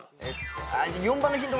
じゃ４番のヒント